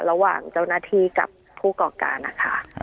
ระหว่างเจ้าหน้าที่กับผู้ก่อการนะคะ